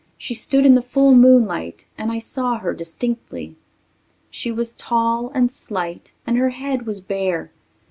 She stood in the full moonlight and I saw her distinctly. She was tall and slight and her head was bare.